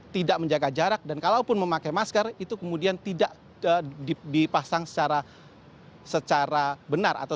tidak menjaga jarak dan kalaupun memakai masker itu kemudian tidak dipasang secara benar